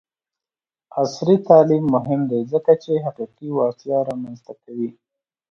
عصري تعلیم مهم دی ځکه چې تحقیقي وړتیا رامنځته کوي.